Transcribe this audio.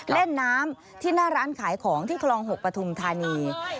เล่นน้ำที่หน้าร้านขายของที่คลอง๖ปฐุมธานี